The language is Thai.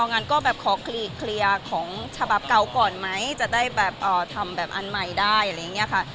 งั้นก็แบบขอเคลียร์ของฉบับเก่าก่อนไหมจะได้แบบทำแบบอันใหม่ได้อะไรอย่างนี้ค่ะ